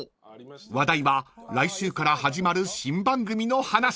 ［話題は来週から始まる新番組の話に］